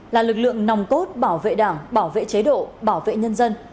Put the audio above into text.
là lực lượng nòng cốt bảo vệ đảng bảo vệ chế độ bảo vệ nhân dân